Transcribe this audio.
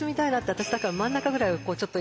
私だから真ん中ぐらいをちょっと。